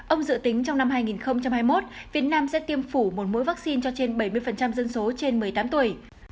ông dự tính trong năm hai nghìn hai mươi một việt nam sẽ tiêm phủ một mũi vaccine cho trên bảy mươi dân số trên một mươi tám tuổi